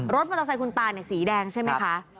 รถมอเตอร์ไซค์คุณตาสีแดงใช่ไหมคะ